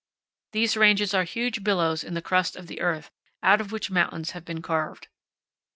These ranges are huge billows in the crust of the earth out of which mountains have been carved.